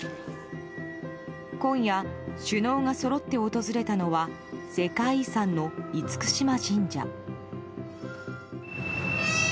今夜、首脳がそろって訪れたのは世界遺産の厳島神社。